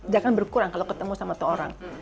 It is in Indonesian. jangan berkurang kalau ketemu sama seorang